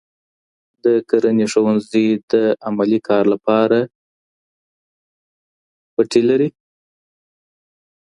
د کرنې ښوونځي د عملي کار لپاره پټي لري؟